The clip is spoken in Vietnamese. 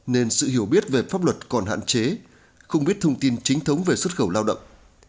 nên sự hiểu biết về pháp luật còn hạn chế không biết thông tin chính thống về xuất khẩu lao động